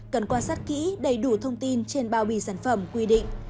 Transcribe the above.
cần quan sát kỹ đầy đủ thông tin trên bao bì sản phẩm quy định